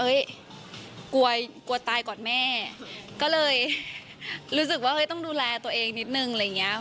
กลัวกลัวตายก่อนแม่ก็เลยรู้สึกว่าเฮ้ยต้องดูแลตัวเองนิดนึงอะไรอย่างเงี้ย